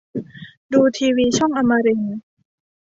ดูทีวีช่องอมรินทร์